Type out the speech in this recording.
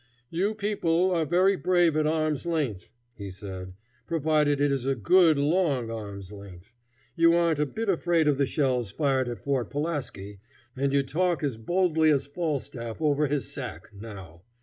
"You people are very brave at arms length," he said, "provided it is a good long arms length. You aren't a bit afraid of the shells fired at Fort Pulaski, and you talk as boldly as Falstaff over his sack, now.